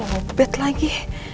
yah lobet lagi